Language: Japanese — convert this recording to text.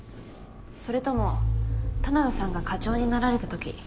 それとも棚田さんが課長になられた時。